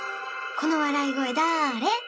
この笑い声だれ？